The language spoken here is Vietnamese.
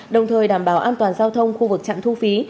đồng thời đảm bảo an toàn giao thông khu vực trạm thu phí